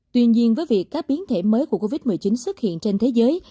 tuy nhiên với việc các biến thể mới của covid một mươi chín xuất hiện trên thế giới